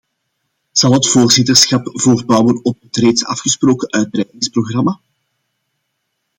Zal het voorzitterschap voortbouwen op het reeds afgesproken uitbreidingsprogramma?